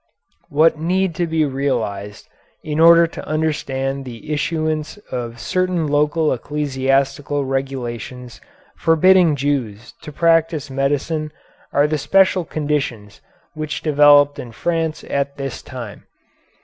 What need to be realized in order to understand the issuance of certain local ecclesiastical regulations forbidding Jews to practise medicine are the special conditions which developed in France at this time.